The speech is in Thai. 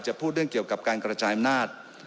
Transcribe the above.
พูดเรื่องเกี่ยวกับการกระจายอำนาจ